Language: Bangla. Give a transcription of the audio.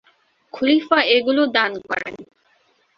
খলিফা এগুলো দান করেন।